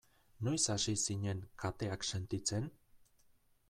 Noiz hasi zinen kateak sentitzen?